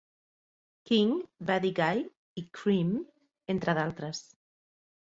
King, Buddy Guy i Cream entre d'altres.